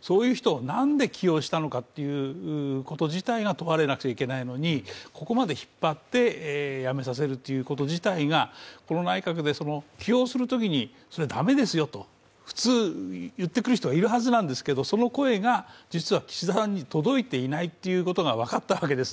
そういう人を何で起用したのかということ自体が問われなくちゃいけないのにここまで引っ張って辞めさせること自体がこの内閣で、起用するときにそれは駄目ですよと普通、言ってくるんですがその声が実は岸田さんに届いていないということが分かったわけですね。